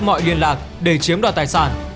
mọi liên lạc để chiếm đoạt tài sản